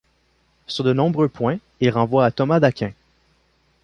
Sur de nombreux points, il renvoie à Thomas d'Aquin.